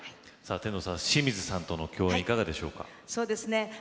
清水さんとの共演いかがでしょうか。